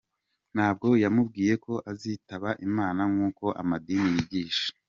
Ntabwo yamubwiye ko azitaba imana nkuko amadini yigisha.